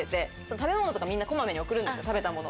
食べ物とかみんな小まめに送るんです食べたもの。